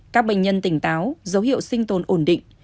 các bệnh nhân tỉnh táo dấu hiệu sinh tồn ổn định